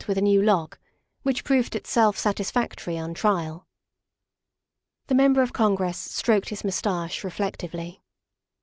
with a new lock, which proved itself satisfactory on trial. The Member of Congress stroked his mustache re flectively.